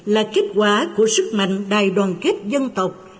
là kết quả của sức mạnh đài đoàn kết dân tộc